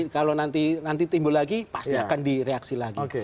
kalau nanti timbul lagi pasti akan direaksi lagi